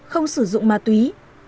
không sử dụng ma túy